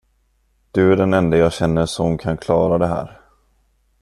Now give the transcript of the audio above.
Du är den ende jag känner som kan klara det här.